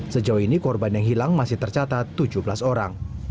sejauh ini korban yang hilang masih tercatat tujuh belas orang